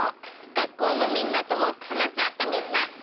学校のみんなとも話し合ってみるね。